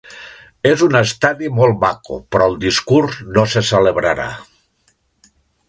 És un estadi molt maco però el discurs no se celebrarà.